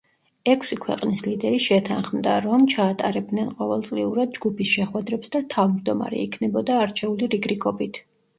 ექვსი ქვეყნის ლიდერი შეთანხმდა რომ ჩაატარებდნენ ყოველწლიურად ჯგუფის შეხვედრებს და თავმჯდომარე იქნებოდა არჩეული რიგ-რიგობით.